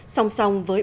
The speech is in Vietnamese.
sòng sòng với báo chí